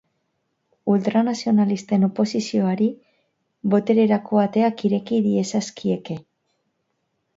Ultranazionalisten oposizioari botererako ateak ireki diezazkieke.